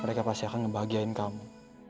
mereka pasti akan ngebahagiain kamu